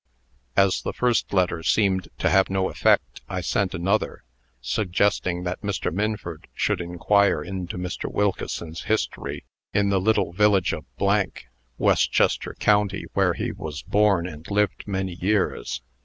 "As the first letter seemed to have no effect, I sent another, suggesting that Mr. Minford should inquire into Mr. Wilkeson's history in the little village of , Westchester County, where he was born, and lived many years.